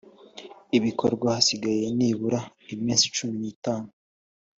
abikora hasigaye nibura iminsi cumi n’itanu